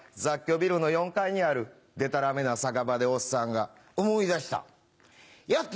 雑居ビルの４階にあるでたらめな酒場でおっさんが「思い出した！